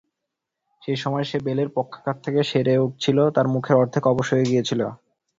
সে সময় সে বেলের পক্ষাঘাত থেকে সেরে উঠছিল, তার মুখের অর্ধেক অবশ হয়ে গিয়েছিল।